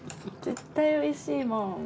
絶対おいしいもん！